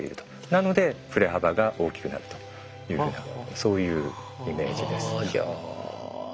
なので振れ幅が大きくなるというふうなそういうイメージです。